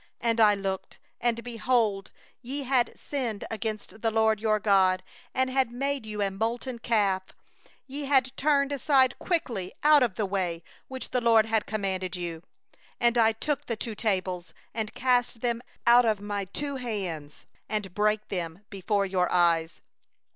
16And I looked, and, behold, ye had sinned against the LORD your God; ye had made you a molten calf; ye had turned aside quickly out of the way which the LORD had commanded you. 17And I took hold of the two tables, and cast them out of my two hands, and broke them before your eyes.